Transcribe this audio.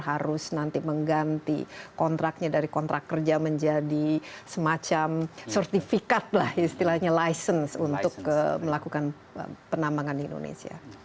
harus nanti mengganti kontraknya dari kontrak kerja menjadi semacam sertifikat lah istilahnya license untuk melakukan penambangan di indonesia